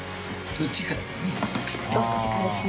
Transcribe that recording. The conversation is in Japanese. どっちかですね